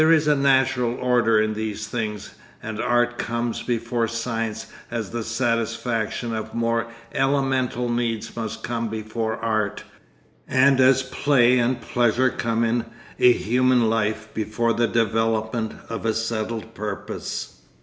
There is a natural order in these things, and art comes before science as the satisfaction of more elemental needs must come before art, and as play and pleasure come in a human life before the development of a settled purpose....